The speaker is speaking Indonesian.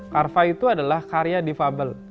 carva itu adalah karya difabel